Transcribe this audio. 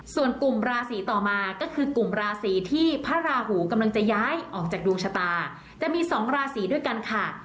ส่วนกลุ่มราศีต่อมาก็คือกลุ่มราศีที่พระราหูกำลังจะย้ายออกจากดวงชะตาจะมี๒ราศีด้วยกันค่ะ